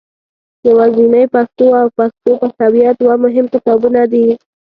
یوازنۍ پښتو او پښتو پښویه دوه مهم کتابونه دي.